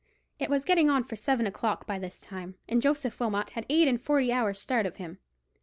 It was getting on for seven o'clock by this time, and Joseph Wilmot had had eight and forty hours' start of him.